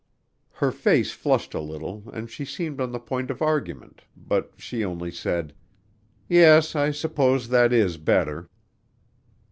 Her face flushed a little and she seemed on the point of argument, but she only said: "Yes, I suppose that is better."